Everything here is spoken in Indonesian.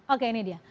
oke ini dia